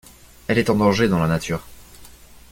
Elle est en danger dans la nature.